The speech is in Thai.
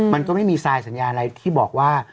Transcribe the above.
มันก็ไม่มีทรายสัญญาอะไรที่บอกว่า